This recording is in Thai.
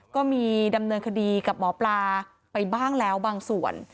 ก็มีดำเนินคดีกับหมอปลาไปบ้างแล้วบางส่วน